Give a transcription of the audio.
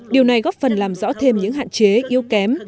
điều này góp phần làm rõ thêm những hạn chế yếu kém